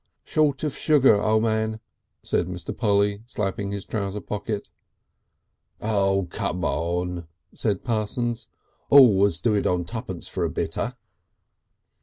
"Short of sugar, O' Man," said Mr. Polly, slapping his trouser pocket. "Oh, carm on," said Parsons. "Always do it on tuppence for a bitter."